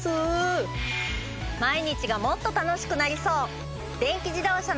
毎日がもっと楽しくなりそう！